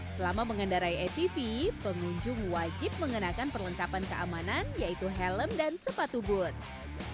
selama mengendarai atv pengunjung wajib mengenakan perlengkapan keamanan yaitu helm dan sepatu boots